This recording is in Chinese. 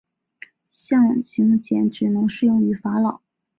象形茧只能适用于法老。